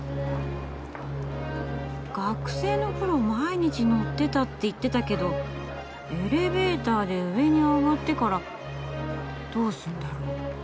「学生のころ毎日乗ってた」って言ってたけどエレベーターで上に上がってからどうするんだろ？